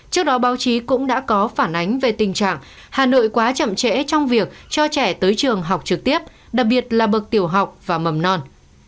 trước đó báo chí cũng đã có phản ánh về tình trạng hà nội quá chậm trễ trong việc cho trẻ tới trường học trực tiếp đặc biệt là bậc tiểu học và mầm non